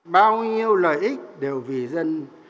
bao nhiêu lợi ích đều vì dân